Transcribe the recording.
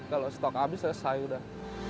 kalau stok habis selesai udah